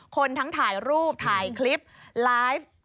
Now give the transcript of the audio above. คนทั้งถ่ายรูปถ่ายคลิปไลฟ์